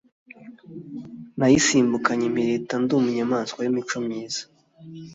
Nayisimbukanye impirita ndi inyamaswa y’imico myiza,